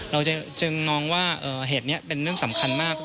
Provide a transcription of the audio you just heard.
เราจึงมองว่าเหตุนี้เป็นเรื่องสำคัญมาก